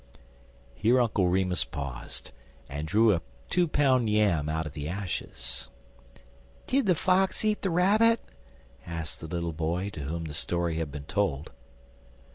Here Uncle Remus paused, and drew a two pound yam out of the ashes. "Did the fox eat the rabbit?" asked the little boy to whom the story had been told.